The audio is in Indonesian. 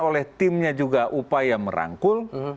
oleh timnya juga upaya merangkul